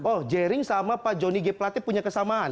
oh jering sama pak johnny g platip punya kesamaan